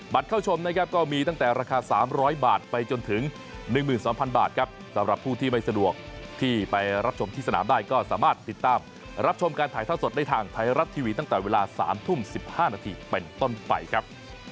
เข้าชมนะครับก็มีตั้งแต่ราคา๓๐๐บาทไปจนถึง๑๒๐๐บาทครับสำหรับผู้ที่ไม่สะดวกที่ไปรับชมที่สนามได้ก็สามารถติดตามรับชมการถ่ายท่อสดได้ทางไทยรัฐทีวีตั้งแต่เวลา๓ทุ่ม๑๕นาทีเป็นต้นไปครับ